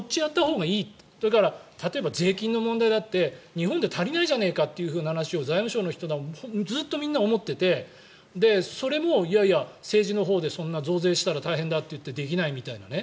それから、例えば税金の問題だって日本は足りないじゃないかと財務省の人ずっとみんな思っていてそれも、いやいや、政治のほうで増税したら大変だといってできないみたいなね。